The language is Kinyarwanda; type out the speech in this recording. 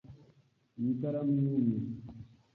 Iyi karamu yumye.